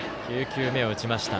９球目を打ちました。